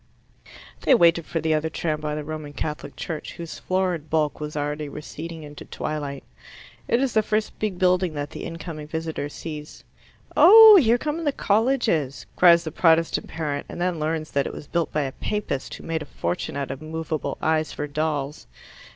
They waited for the other tram by the Roman Catholic Church, whose florid bulk was already receding into twilight. It is the first big building that the incoming visitor sees. "Oh, here come the colleges!" cries the Protestant parent, and then learns that it was built by a Papist who made a fortune out of movable eyes for dolls.